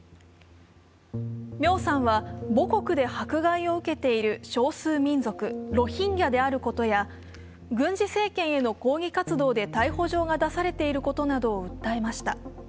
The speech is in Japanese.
ミョーさんは母国で迫害を受けている少数民族ロヒンギャであることや軍事政権への抗議活動で逮捕状が出されていることなどを訴えました。